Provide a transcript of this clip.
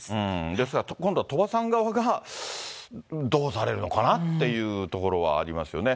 ですから今度は鳥羽さん側がどうされるのかなっていうところはありますよね。